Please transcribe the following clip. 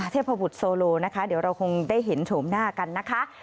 เทพบุตรโซโลนะคะเดี๋ยวเราคงได้เห็นโฉมหน้ากันนะคะ